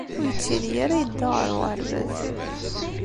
Ur yettili ara yedda ɣer uɣerbaz.